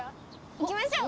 いきましょう！